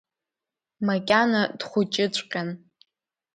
Макьана дхәыҷыҵәҟьан.